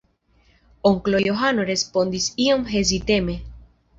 Onklo Johano respondis iom heziteme: